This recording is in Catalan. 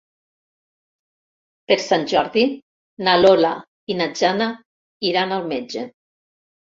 Per Sant Jordi na Lola i na Jana iran al metge.